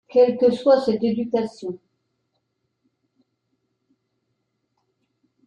Quelle que soit cette éducation.